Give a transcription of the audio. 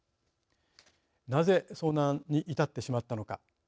なぜ遭難に至ってしまったのか。